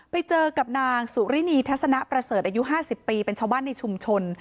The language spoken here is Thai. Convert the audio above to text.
ไปเจอกับนางสุรินีทัศนะประเสริฐอายุ๕๐ปีเป็นชาวบ้านในชุมชน